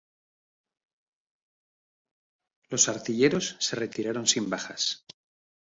Los artilleros se retiraron sin bajas.